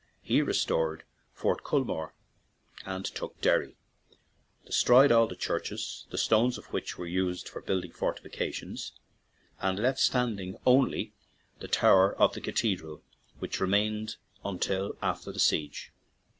He restored Fort Culmore and took Derry, destroyed all the churches, the stones of which he used for building fortifications, and left standing only the tower of the cathedral, which remained until after the siege.